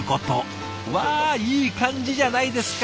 わいい感じじゃないですか。